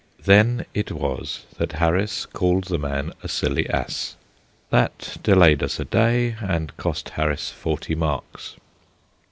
Then it was that Harris called the man a silly ass. That delayed us a day, and cost Harris forty marks.